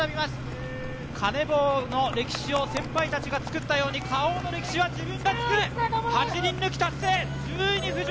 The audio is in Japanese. カネボウの歴史を先輩たちが作ったようにＫａｏの歴史は自分が作る、８人抜き達成９位に浮上。